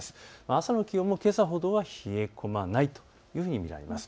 朝の気温もけさほどは冷え込まないというふうに見られます。